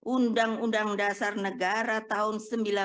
undang undang dasar negara tahun seribu sembilan ratus empat puluh lima